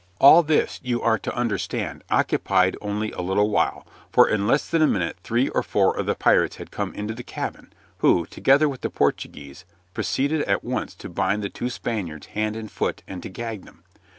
All this, you are to understand, occupied only a little while, for in less than a minute three or four of the pirates had come into the cabin, who, together with the Portuguese, proceeded at once to bind the two Spaniards hand and foot, and to gag them.